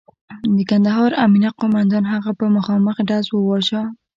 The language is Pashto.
د کندهار امنیه قوماندان هغه په مخامخ ډزو وواژه.